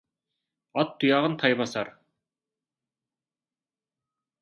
Ат тұяғын тай басар.